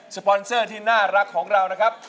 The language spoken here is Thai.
ปอนเซอร์ที่น่ารักของเรานะครับ